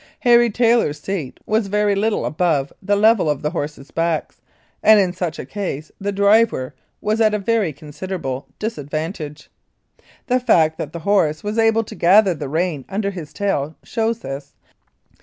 Harry Taylor's seat was very little above the level of the horses' backs, and in such a case the driver was at a very considerable dis advantage. The fact that the horse was able to gather the rein under his tail shows this.